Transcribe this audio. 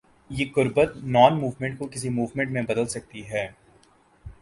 یہ قربت non movement کو کسی موومنٹ میں بدل سکتی ہے۔